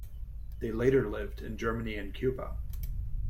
They later lived in Germany and Cuba.